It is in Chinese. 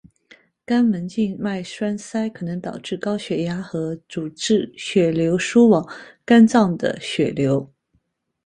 肝门静脉栓塞可能导致高血压和阻滞血流输往肝脏的血流。